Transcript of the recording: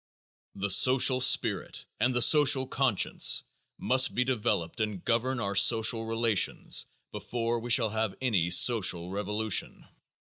The social spirit and the social conscience must be developed and govern our social relations before we shall have any social revolution.